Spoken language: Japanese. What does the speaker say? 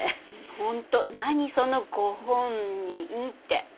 本当何その「ご本人」って。